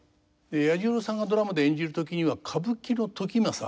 彌十郎さんがドラマで演じる時には歌舞伎の時政